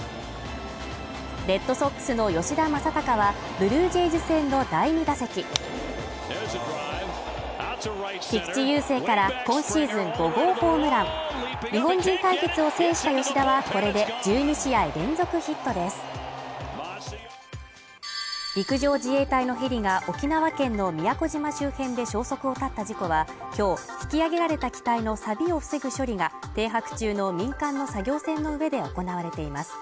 レッドソックスの吉田正尚はブルージェイズ戦の第２打席、菊池雄星から今シーズン５号ホームラン日本人対決を制した吉田はこれで１２試合連続ヒットです陸上自衛隊のヘリが、沖縄県の宮古島周辺で消息を絶った事故は今日引き揚げられた機体のサビを防ぐ処理が停泊中の民間の作業船の上で行われています。